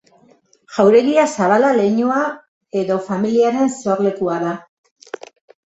Jauregia Zabala leinua edo familiaren sorlekua da.